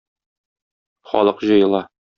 Халык җыела.